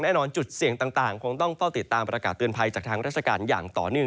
แน่นอนจุดเสี่ยงต่างคงต้องเฝ้าติดตามประกาศเตือนภัยจากทางราชการอย่างต่อเนื่อง